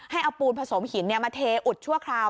ให้เอาปูนผสมหินมาเทอุดชั่วคราว